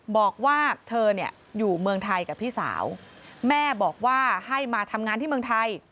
บอกว่าเธอเนี่ยอยู่เมืองไทยกับพี่สาวแม่บอกว่าให้มาทำงานที่เมืองไทย